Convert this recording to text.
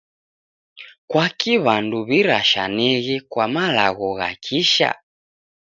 Kwaki w'andu w'irashaneghe kwa malagho gha kisha?